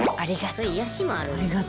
そういう癒やしもあるので。